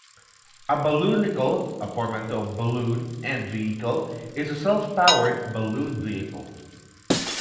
A balloonicle, a portmanteau of "balloon" and "vehicle", is a self-powered balloon vehicle.